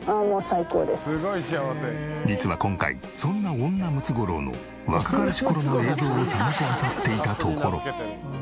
実は今回そんな女ムツゴロウの若かりし頃の映像を探しあさっていたところ。